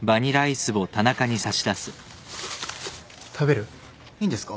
食べる？いいんですか？